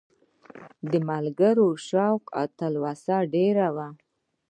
د ملګرو شوق او تلوسه ډېره وه.